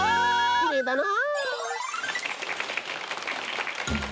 きれいだな。